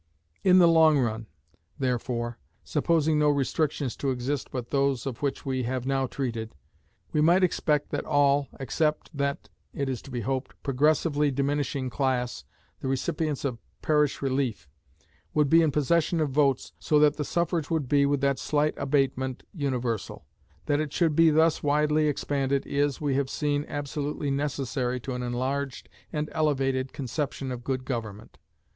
In the long run, therefore (supposing no restrictions to exist but those of which we have now treated), we might expect that all, except that (it is to be hoped) progressively diminishing class, the recipients of parish relief, would be in possession of votes, so that the suffrage would be, with that slight abatement, universal. That it should be thus widely expanded is, as we have seen, absolutely necessary to an enlarged and elevated conception of good government.